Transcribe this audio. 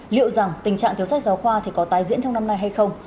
liệu rằng tình trạng thiếu sách giáo khoa thì có tái diễn trong năm nay hay không